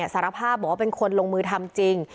สารภาพบอกว่าเป็นคนลงมือทำจริง